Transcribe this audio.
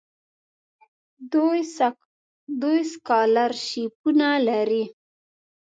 دوی سکالرشیپونه لري.